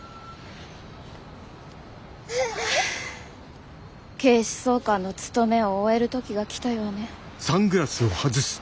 ああ警視総監の務めを終える時が来たようね。